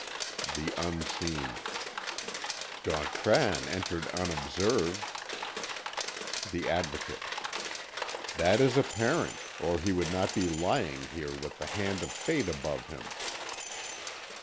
The Unseen: "Gautran entered unobserved." The Advocate: "That is apparent, or he would not be lying here with the hand of Fate above him."